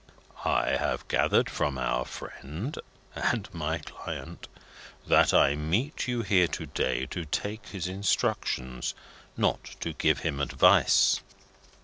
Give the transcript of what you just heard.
I have gathered from our friend (and my client) that I meet you here to day to take his instructions, not to give him advice.